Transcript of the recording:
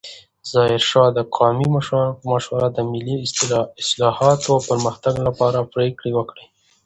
ظاهرشاه د قومي مشرانو په مشوره د ملي اصلاحاتو او پرمختګ لپاره پریکړې وکړې.